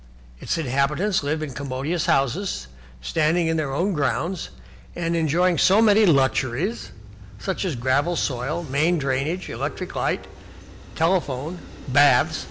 Its inhabitants live in commodious houses, standing in their own grounds, and enjoy so many luxuries such as gravel soil, main drainage, electric light, telephone, baths (h.